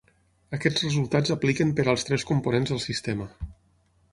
Aquests resultats apliquen per als tres components del sistema.